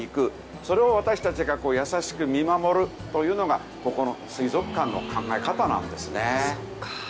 それを私たちが優しく見守るというのがここの水族館の考え方なんですね。